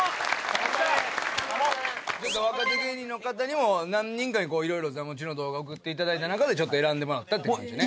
若手芸人の方にも何人かにいろいろ座持ちの動画を送っていただいた中でちょっと選んでもらったって感じね。